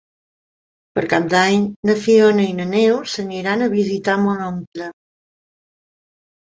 Per Cap d'Any na Fiona i na Neus aniran a visitar mon oncle.